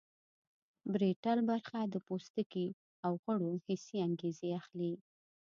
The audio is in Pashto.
پریټل برخه د پوستکي او غړو حسي انګیزې اخلي